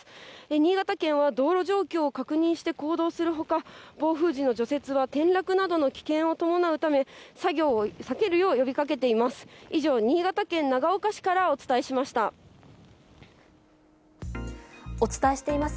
新潟県は道路状況を確認して行動するほか、暴風時の除雪は、転落などの危険を伴うため、作業を避けるよう呼びかけています。